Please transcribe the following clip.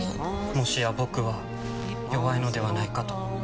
もしや僕は弱いのではないかと。